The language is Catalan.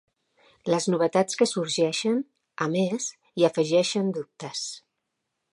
Les novetats que sorgeixen, a més, hi afegeixen dubtes.